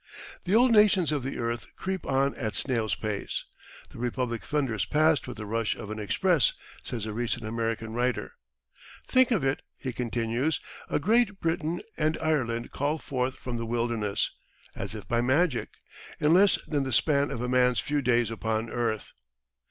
"The old nations of the earth creep on at snail's pace: the Republic thunders past with the rush of an express," says a recent American writer. "Think of it!" he continues; "a Great Britain and Ireland called forth from the wilderness, as if by magic, in less than the span of a man's few days upon earth."